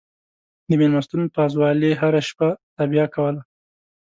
د مېلمستون پازوالې هره شپه تابیا کوله.